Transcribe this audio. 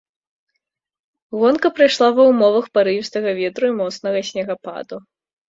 Гонка прайшла ва ўмовах парывістага ветру і моцнага снегападу.